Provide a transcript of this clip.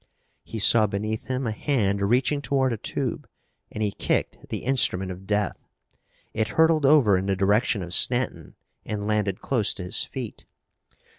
He saw beneath him a hand reaching toward a tube, and he kicked the instrument of death. It hurtled over in the direction of Stanton and landed close to his feet.